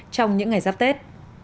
trong những ngày giáp tết